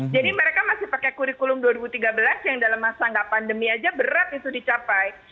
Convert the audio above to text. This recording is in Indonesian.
jadi mereka masih pakai kurikulum dua ribu tiga belas yang dalam masa nggak pandemi aja berat itu dicapai